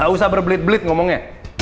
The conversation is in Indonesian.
gak usah berbelit belit ngomongnya